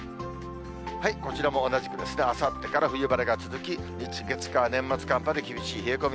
こちらも同じくですが、あさってから冬晴れが続き、日、月、火、年末寒波で厳しい冷え込み。